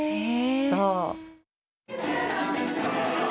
そう。